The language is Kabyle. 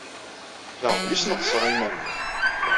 D aɣbel i sneqseɣ i yiman-iw.